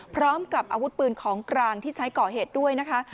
พร้อมกับอาวุธปืนของกลางที่ใช้ก่อเหตุด้วยนะคะ